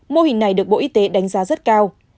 mô hình này được bộ y tế đánh giá rất cao